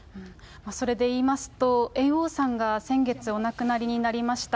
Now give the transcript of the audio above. それでいいますと、猿翁さんが先月、お亡くなりになりました。